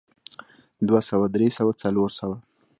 دوه سوه درې سوه څلور سوه